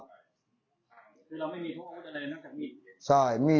คือเราไม่มีทุกข้ออาจารย์นอกจากมีด